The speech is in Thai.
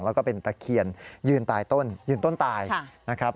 แล้วก็เป็นตะเคียนยืนตายต้นยืนต้นตายนะครับ